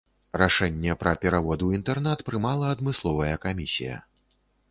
Рашэнне пра перавод у інтэрнат прымала адмысловая камісія.